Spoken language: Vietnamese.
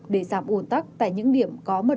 để giảm ồn tắc tại những điểm có mật độ giao thông đông đúc